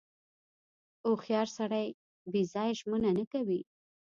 • هوښیار سړی بې ځایه ژمنه نه کوي.